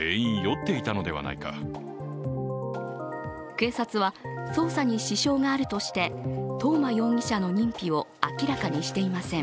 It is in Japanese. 警察は捜査に支障があるとして東間容疑者の認否を明らかにしていません。